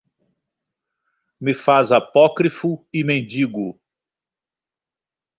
me faz apócrifo e mendigo.